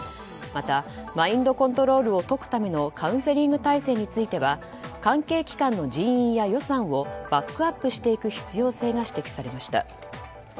また、マインドコントロールを解くためのカウンセリング体制については関係機関の人員や予算をバックアップしていく必要性が指摘されました。